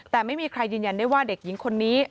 แต่ไม่มีใครยืนยันได้ว่าเด็กหญิงคนนี้